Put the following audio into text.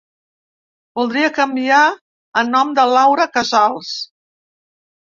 Voldria canviar a nom de Laura Casals.